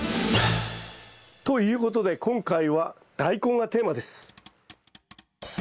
ということで今回はダイコンがテーマです。